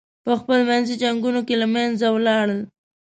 پخپل منځي جنګونو کې له منځه ولاړل.